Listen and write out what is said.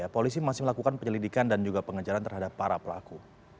polisi masih melakukan penyelidikan dan juga pengejaran terhadap para pelaku